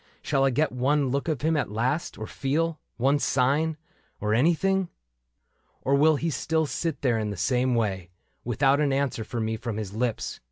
Shall I get one look of him at last, or feel One sign — or anything ? Or will he still sit there in the same way. Without an answer for me from his lips.